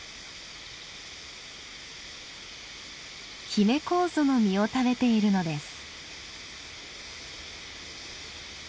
ヒメコウゾの実を食べているのです。